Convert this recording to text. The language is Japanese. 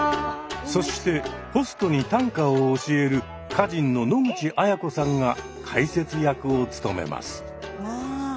そしてホストに短歌を教える歌人の野口あや子さんが解説役を務めます。